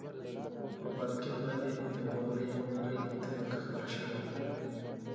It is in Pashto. پر بالکن باندې د واورې یوه نری طبقه خپره شوې وه.